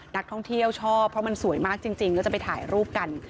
นักท่องเที่ยวชอบเพราะมันสวยมากจริงก็จะไปถ่ายรูปกัน